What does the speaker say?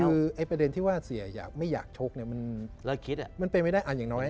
คือไอ้ประเด็นที่ว่าเสียอย่างไม่อยากชกมันเป็นไม่ได้อันอย่างน้อย